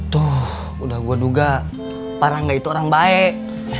tuh udah gue duga parangga itu orang baik